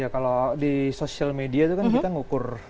kalau di sosial media itu kan kita mengukur